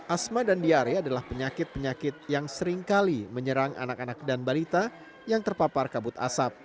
asma dan diare adalah penyakit penyakit yang seringkali menyerang anak anak dan balita yang terpapar kabut asap